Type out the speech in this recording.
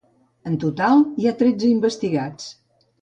En total, hi ha tretze investigats.